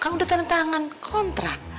kan udah tenang tenangan kontrak